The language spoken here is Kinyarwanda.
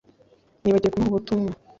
Nibagiwe kumuha ubutumwa